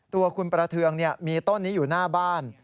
ตัวคุณประเทืองมีต้นนี้อยู่หน้าบ้าน